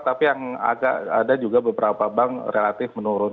tapi ada juga beberapa bank relatif menurun